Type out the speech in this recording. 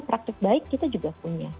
praktik baik kita juga punya